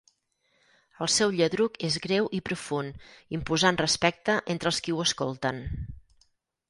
El seu lladruc és greu i profund imposant respecte entre els qui ho escolten.